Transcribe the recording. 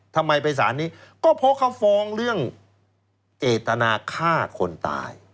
ทำไมไปสารนี้ก็เพราะเขาฟ้องเรื่องเจตนาฆ่าคนตาย